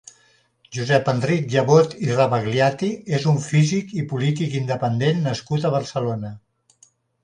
Josep Enric Llebot i Rabagliati és un físic i polític independent nascut a Barcelona.